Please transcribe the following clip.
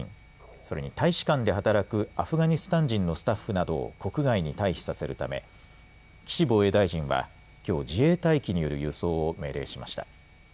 それに大使館で働くアフガニスタン人のスタッフなどを国外に退避させるため岸防衛大臣はきょう自衛隊機による輸送を命令しました。